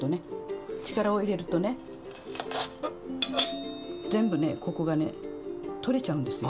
力を入れるとね全部ねここがね取れちゃうんですよ。